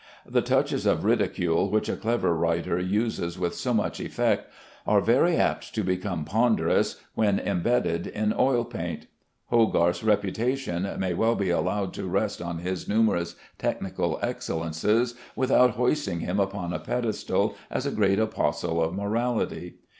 The touches of ridicule which a clever writer uses with so much effect are very apt to become ponderous when embedded in oil paint. Hogarth's reputation may well be allowed to rest on his numerous technical excellences without hoisting him upon a pedestal as a great apostle of morality.